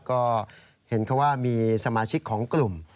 ก็เห็นเขาว่ามีสมาชิกของกลุ่ม